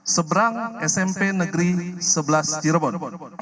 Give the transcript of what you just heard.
seberang smp negeri sebelas cirebon